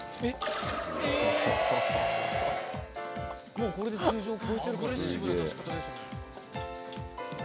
もうこれで通常超えてるからね。